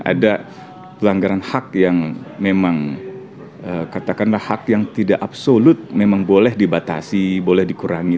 ada pelanggaran hak yang memang katakanlah hak yang tidak absolut memang boleh dibatasi boleh dikurangi